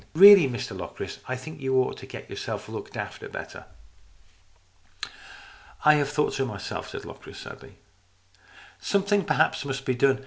Really, Mr Locris, I think you ought to get yourself looked after better." " I have thought so myself," said Locris, sadly, " Something perhaps must be done.